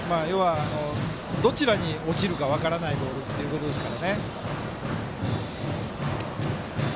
どちらに落ちる分からないボールということですから。